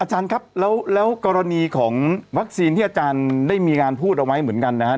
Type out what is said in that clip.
อาจารย์ครับแล้วกรณีของวัคซีนที่อาจารย์ได้มีการพูดเอาไว้เหมือนกันนะครับ